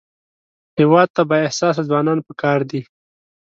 هېواد ته بااحساسه ځوانان پکار دي